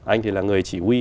anh thì là người chỉ huy